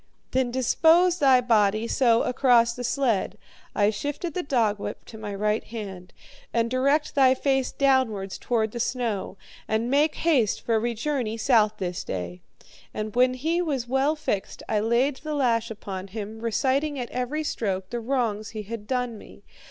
"'Then dispose thy body, so, across the sled,' I shifted the dogwhip to my right hand. 'And direct thy face downwards, toward the snow. And make haste, for we journey south this day.' And when he was well fixed I laid the lash upon him, reciting, at every stroke, the wrongs he had done me.